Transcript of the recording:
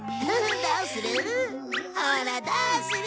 どうする？